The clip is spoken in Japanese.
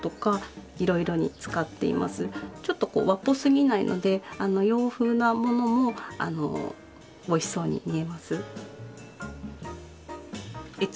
ちょっとこう和っぽすぎないので洋風なものもおいしそうに見えます。